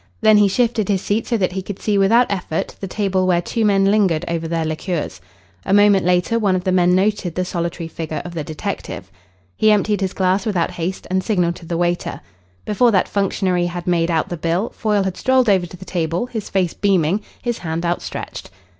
Then he shifted his seat so that he could see without effort the table where two men lingered over their liqueurs. A moment later one of the men noted the solitary figure of the detective. He emptied his glass without haste and signalled to the waiter. Before that functionary had made out the bill Foyle had strolled over to the table, his face beaming, his hand outstretched.